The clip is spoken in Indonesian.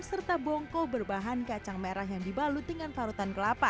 serta bongko berbahan kacang merah yang dibalut dengan parutan kelapa